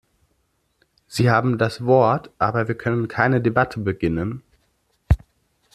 Sie haben das Wort, aber wir können keine Debatte beginnen.